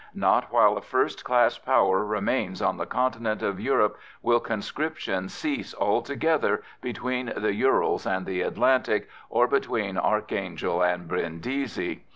Not while a first class power remains on the continent of Europe will conscription cease altogether between the Urals and the Atlantic, or between Archangel and Brindisi.